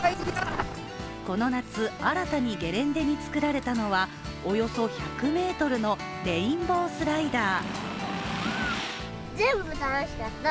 この夏、新たにゲレンデに作られたのはおよそ１００ｍのレインボースライダー。